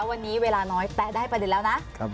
วันนี้เวลาน้อยแต่ได้ประเด็นแล้วนะ